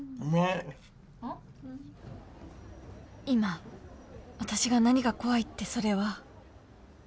今私が何が怖いってそれは